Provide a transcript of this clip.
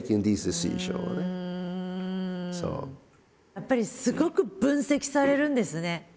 やっぱりすごく分析されるんですね。